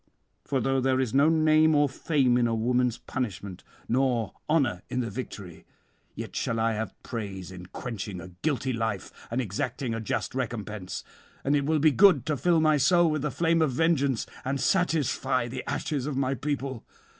For though there is no name or fame in a woman's punishment, nor honour in the victory, yet shall I have praise in quenching a guilty life and exacting a just recompense; and it will be good to fill my soul with the flame of vengeance, and satisfy the ashes of my people.